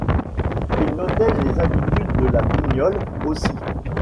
Ils notaient les habitudes de la bignole aussi.